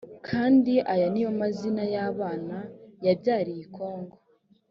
kandi aya ni yo mazina y abana yabyariye i kongo